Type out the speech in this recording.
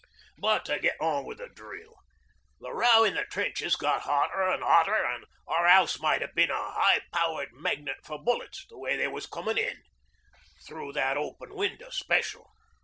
'But to get on wi' the drill the row in the trenches got hotter an' hotter, an' our house might 'ave been a high power magnet for bullets, the way they was comin' in, through that open window special.